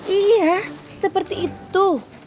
iya seperti itu